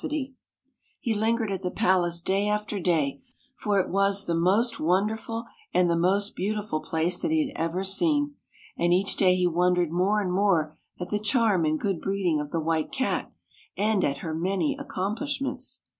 65 ] FAVORITE FAIRY TALES RETOLD He lingered at the palace day after day, for it was the most wonderful and the most beautiful place that he ever had seen, and each day he wondered more and more at the charm and good breeding of the White Cat, and at her many accomplishments.